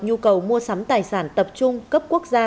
nhu cầu mua sắm tài sản tập trung cấp quốc gia